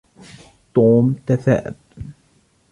توم تثاءب.